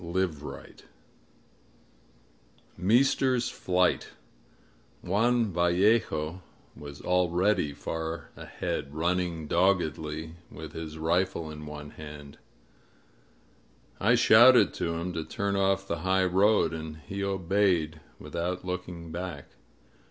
CHAPTER XI MEESTER'S FLIGHT JUAN VALLEJO was already far ahead, running doggedly with his rifle in one hand. I shouted to him to turn off the high road, and he obeyed, without looking back.